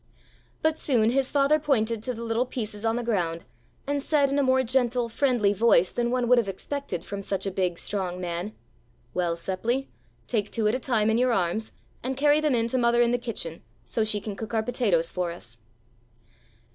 But soon his father pointed to the little pieces on the ground and said in a more gentle, friendly voice than one would have expected from such a big, strong man: "Well, Seppli, take two at a time in your arms and carry them in to mother in the kitchen, so she can cook our potatoes for us."